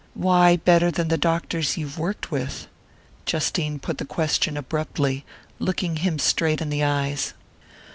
"Why better than the doctors you've worked with?" Justine put the question abruptly, looking him straight in the eyes.